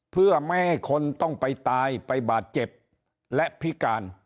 เพื่อไม่ให้คนต้องไปตายไปบาดเจ็บและพิการ